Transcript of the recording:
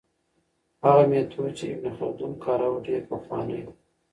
هغه میتود چې ابن خلدون کاروه ډېر پخوانی دی.